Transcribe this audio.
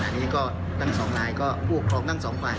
นะครับขณะนี้ก็ทั้งสองลายก็ผู้ครองทั้งสองฝ่าย